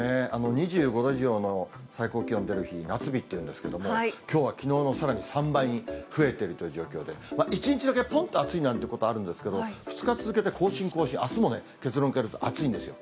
２５度以上の最高気温出る日、夏日と言うんですけれども、きょうはきのうのさらに３倍に増えているという状況で、１日だけぽんと暑いなんてことあるんですけれども、２日続けて更新、更新、あすもね、結論からいうと暑いんですよ。